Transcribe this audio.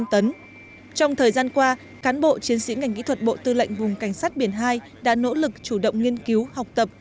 trong thời gian qua cán bộ chiến sĩ ngành kỹ thuật bộ tư lệnh vùng cảnh sát biển hai đã nỗ lực chủ động nghiên cứu học tập